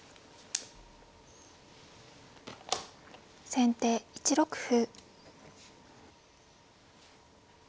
先手４六歩。